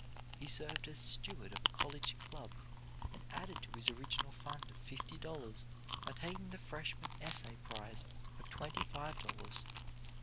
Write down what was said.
He served as steward of a college club, and added to his original fund of fifty dollars by taking the freshman essay prize of twenty five dollars.